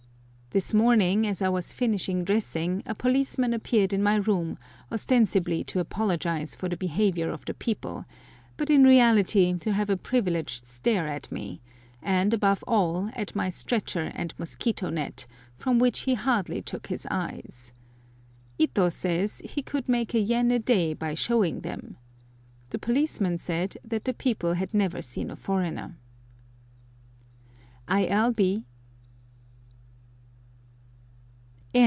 This morning, as I was finishing dressing, a policeman appeared in my room, ostensibly to apologise for the behaviour of the people, but in reality to have a privileged stare at me, and, above all, at my stretcher and mosquito net, from which he hardly took his eyes. Ito says he could make a yen a day by showing them! The policeman said that the people had never seen a foreigner. I. L.